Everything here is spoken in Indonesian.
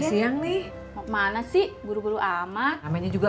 siang nih mana sih buru buru amat namanya juga